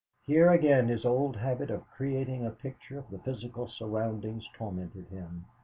Here again his old habit of creating a picture of the physical surroundings tormented him.